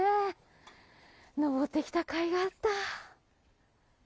上ってきたかいがあった！